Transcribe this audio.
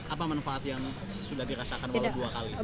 apa manfaat yang sudah dirasakan walau dua kali